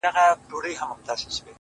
بلا وهلی يم ـ چي تا کوم بلا کومه ـ